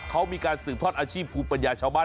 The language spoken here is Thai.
เขามีการสืบทอดอาชีพภูมิปัญญาชาวบ้าน